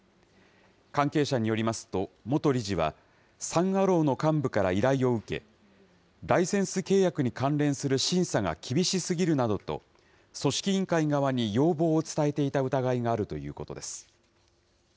関係者によりますと、元理事は、サン・アローの幹部から依頼を受け、ライセンス契約に関連する審査が厳しすぎるなどと、組織委員会側に要望を伝えていた疑いがあるということです。